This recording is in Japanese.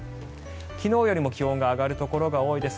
昨日よりも気温が上がるところが多いです。